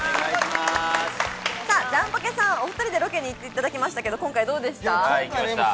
ジャンポケさん、お２人でロケに行っていただきましたけれど、今回どうでした？